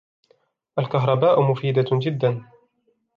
الكهرباء مفيدة جداً.